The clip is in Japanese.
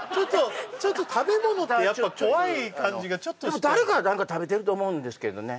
ちょっと食べ物ってやっぱ怖い感じがちょっとしてでも誰か何か食べてると思うんですけどね